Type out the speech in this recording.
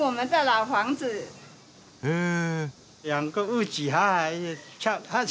へえ！